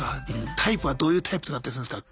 タイプはどういうタイプとかだったりするんすか？